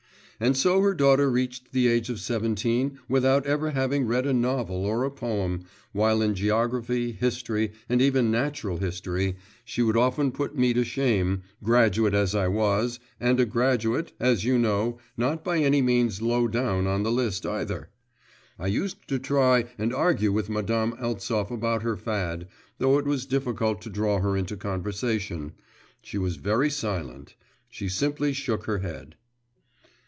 And so her daughter reached the age of seventeen without ever having read a novel or a poem, while in Geography, History, and even Natural History, she would often put me to shame, graduate as I was, and a graduate, as you know, not by any means low down on the list either. I used to try and argue with Madame Eltsov about her fad, though it was difficult to draw her into conversation; she was very silent. She simply shook her head.